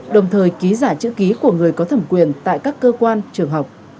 đồng thời ký giả chữ ký của người có thẩm quyền tại các cơ quan trường học